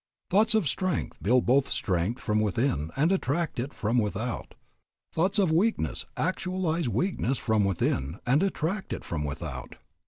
Thoughts of strength both build strength from within and attract it from without. Thoughts of weakness actualize weakness from within and attract it from without.